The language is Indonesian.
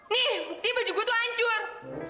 nih buktinya baju gue tuh hancur